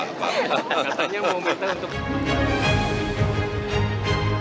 katanya mau minta untuk